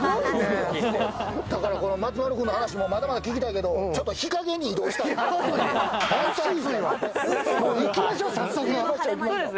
松丸君の話もまだまだ聞きたいけど、ちょっと日陰に移動したい。